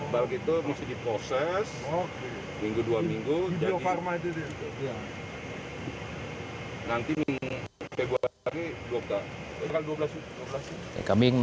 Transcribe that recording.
balik itu mesti diproses minggu dua minggu